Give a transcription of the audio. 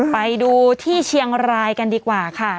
ไปดูที่เชียงรายกันดีกว่าค่ะ